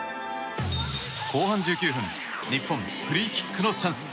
後半１９分、日本フリーキックのチャンス。